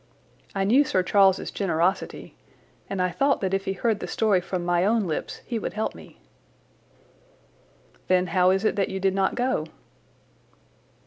I knew Sir Charles's generosity, and I thought that if he heard the story from my own lips he would help me." "Then how is it that you did not go?"